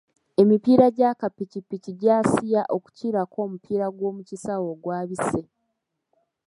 Emipiira gy’akapikipiki gy’asiiya okukirako omupiira gw’omu kisaawe ogwabise.